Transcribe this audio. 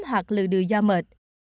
hoặc lừa đưa do mệt